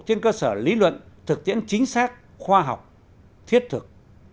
trên cơ sở lý luận thực tiễn chính xác khoa học thiết thực